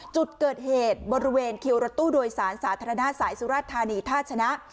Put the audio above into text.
จุดเกิดเหตุบริเวณคิวรถตู้โดยสารสาธารณะสายสุรธานีท่าชนะ